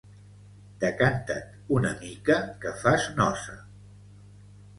Decanta't una mica, que fas nosa.